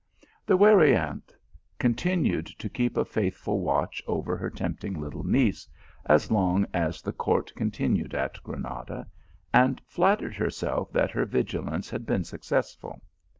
The wary aunt continued to keep a faithful watch over her tempting little niece as long as the court continued at Granada, and flattered herself that her 230 THE ALHAMBRA. vigilance had been successful.